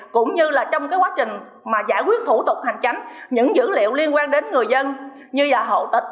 cũng như trong quá trình giải quyết thủ tục hành tránh những dữ liệu liên quan đến người dân như hậu tịch